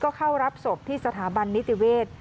ก็เข้ารับศพที่สถาบันนิติเวศ